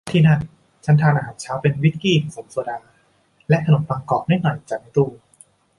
ที่นั่นฉันทานอาหารเช้าเป็นวิสกี้ผสมโซดาและขนมปังกรอบนิดหน่อยจากในตู้